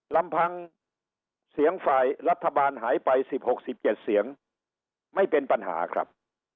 ลำพังเสียงฝ่ายรัฐบาลหายไปสิบหกสิบเจ็ดเสียงไม่เป็นปัญหาครับ